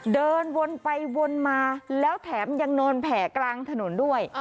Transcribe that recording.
เดินวนไปวนมาแล้วแถมยังนอนแผ่กลางถนนด้วย